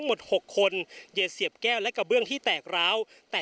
พร้อมด้วยผลตำรวจเอกนรัฐสวิตนันอธิบดีกรมราชทัน